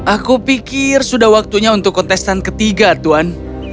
aku pikir sudah waktunya untuk kontestan ketiga tuan